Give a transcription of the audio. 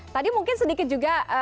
tadi mungkin sedikit juga